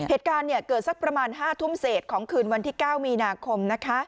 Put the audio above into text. เหตุการณ์เกิดสักประมาณ๕ทุ่มเศษของคืนวันที่๙มีนาคม